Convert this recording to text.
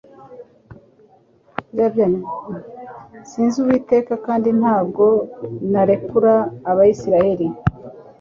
Sinzi Uwiteka, kandi ntabwo narekura Abisirayeli.»